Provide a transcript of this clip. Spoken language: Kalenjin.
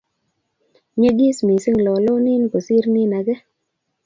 nyigiis missing lolonin kosiir nin age